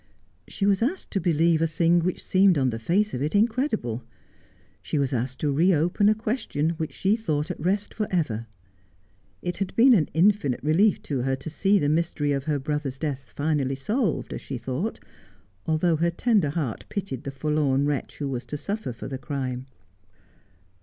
She was asked to believe a thing which seemed on the face of it incredible. She was asked to re open a question which she thought at rest for ever. It had been an infinite relief to her to see the mystery of her brother's death finally solved, as she thought, although her tender heart pitied the forlorn wretch who was to suffer for the crime.